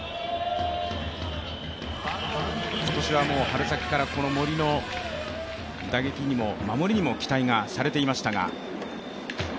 今年は春先から森の打撃にも、守りにも期待はされていましたが。